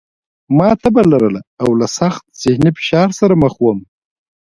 ما تبه لرله او له سخت ذهني فشار سره مخ وم